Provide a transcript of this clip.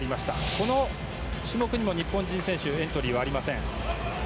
この種目にも日本人選手はエントリーありません。